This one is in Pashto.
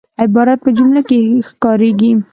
عبارت په جمله کښي کاریږي.